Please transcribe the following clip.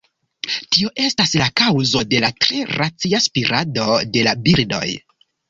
Tio estas la kaŭzo de la tre racia spirado de la birdoj.